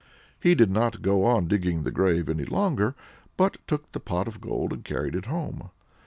He did not go on digging the grave any longer, but took the pot of gold and carried it home.